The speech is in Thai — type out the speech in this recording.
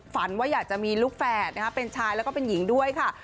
ฝันว่าอยากจะมีลูกแฝดเป็นชายแล้วก็เป็นหญิงด้วยค่ะ